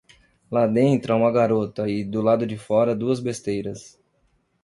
Lá dentro há uma garota e, do lado de fora, duas besteiras.